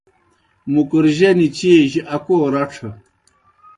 مُکر جنیْ چیئی جیْ اکو رڇھہ۔